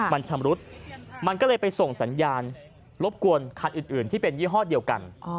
มันชำรุดมันก็เลยไปส่งสัญญาณรบกวนคันอื่นที่เป็นยี่ห้อเดียวกัน